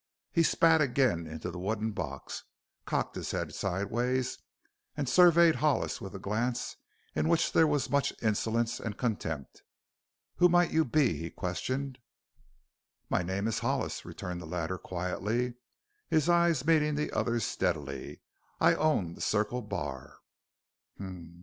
He spat again into the wooden box, cocked his head sideways and surveyed Hollis with a glance in which there was much insolence and contempt. "Who might you be?" he questioned. "My name is Hollis," returned the latter quietly, his eyes meeting the other's steadily. "I own the Circle Bar."